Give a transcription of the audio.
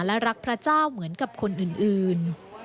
และรักพระเจ้าเหมือนกับคนอื่น